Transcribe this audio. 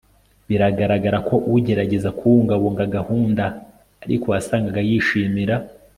biragaragara ko ugerageza kubungabunga gahunda, ariko wasangaga yishimira